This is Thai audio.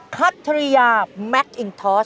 ๒คัตริยาแมคอิงทอส